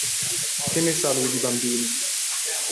Che ne sa lui di bambini?